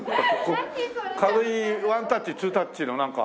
軽いワンタッチツータッチのなんか。